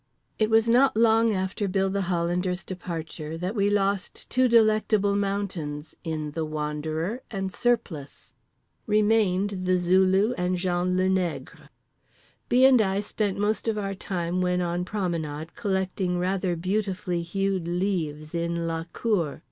It was not long after Bill the Hollander's departure that we lost two Delectable Mountains in The Wanderer and Surplice. Remained The Zulu and Jean le Nègre…. B. and I spent most of our time when on promenade collecting rather beautifully hued leaves in la cour.